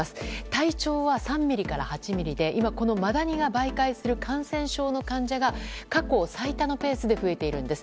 体長は３ｍｍから８ｍｍで今、マダニが媒介する感染症の患者が過去最多のペースで増えているんです。